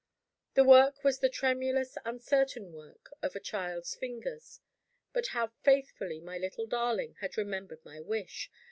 The work was the tremulous, uncertain work of a child's fingers. But how faithfully my little darling had remembered my wish!